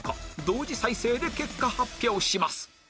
同時再生で結果発表します